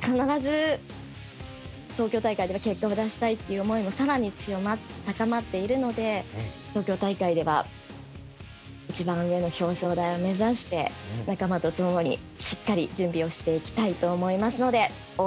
必ず東京大会では結果を出したいっていう思いも更に強まって高まっているので東京大会では一番上の表彰台を目指して仲間とともにしっかり準備をしていきたいと思いますので応援